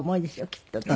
きっとね。